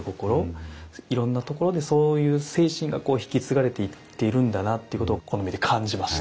いろんなところでそういう精神が引き継がれているんだなっていうことをこの目で感じました。